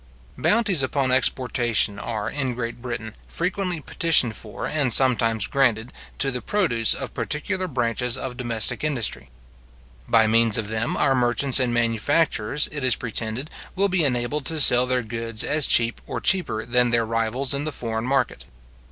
Bounties upon exportation are, in Great Britain, frequently petitioned for, and sometimes granted, to the produce of particular branches of domestic industry. By means of them, our merchants and manufacturers, it is pretended, will be enabled to sell their goods as cheap or cheaper than their rivals in the foreign market.